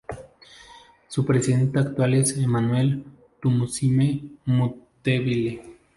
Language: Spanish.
Su presidente actual es Emmanuel Tumusiime-Mutebile.